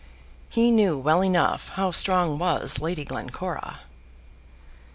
He knew well enough how strong was Lady Glencora.